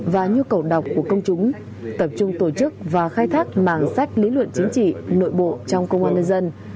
và nhu cầu đọc của công chúng tập trung tổ chức và khai thác mảng sách lý luận chính trị nội bộ trong công an nhân dân